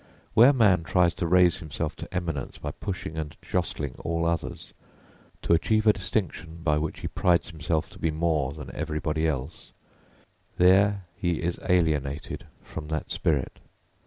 Where a man tries to raise himself to eminence by pushing and jostling all others, to achieve a distinction by which he prides himself to be more than everybody else, there he is alienated from that Spirit.